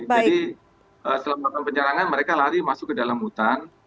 jadi setelah melakukan penyerangan mereka lari masuk ke dalam hutan